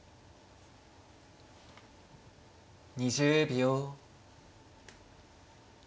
２０秒。